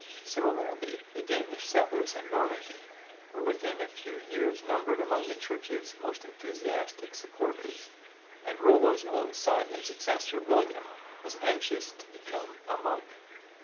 Similarly the Danish settlers in Normandy were within a few years numbered among the Church's most enthusiastic supporters, and Rollo's own son and successor William was anxious to become a monk.